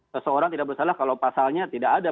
seseorang tidak bersalah kalau pasalnya tidak ada